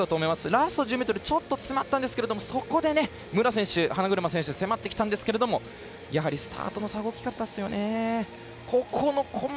ラスト１０ｍちょっと詰まったんですけど武良選手、花車選手迫ってたんですけどスタートの差が大きかったですよね。